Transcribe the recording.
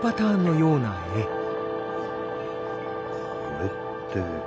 これって。